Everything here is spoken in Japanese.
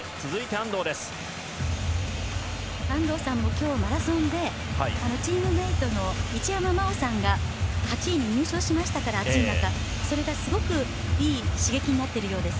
安藤さんも今日、マラソンでチームメートの一山麻緒さんが暑い中、８位に入賞しましたからそれがすごくいい刺激になっているようです。